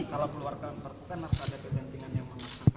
kalau keluarga pertena ada kegentingan yang memaksa